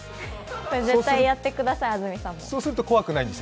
これ、絶対やってください、安住さんも。